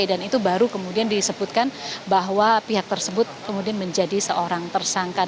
dan itu baru kemudian disebutkan bahwa pihak tersebut kemudian menjadi seorang tersangka